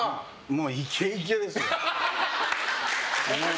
もうイケイケですよ。